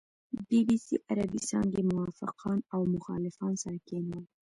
بي بي سي عربې څانګې موافقان او مخالفان سره کېنول.